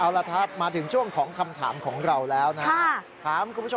เอาละครับมาถึงช่วงของคำถามของเราแล้วนะครับ